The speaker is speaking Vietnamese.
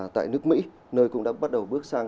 tại nước mỹ nơi cũng đã bắt đầu bước sang